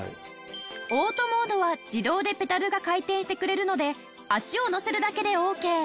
オートモードは自動でペダルが回転してくれるので足をのせるだけでオーケー。